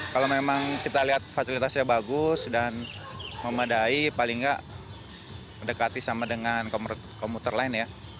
kalau memang kita lihat fasilitasnya bagus dan memadai paling nggak mendekati sama dengan komuter lain ya